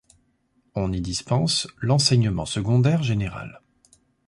On y dispense l'enseignement secondaire général.